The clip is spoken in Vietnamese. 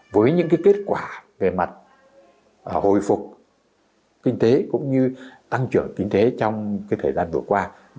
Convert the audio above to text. với những kết quả về mặt hồi phục kinh tế cũng như tăng trưởng kinh tế trong thời gian vừa qua